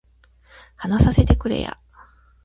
話させてくれや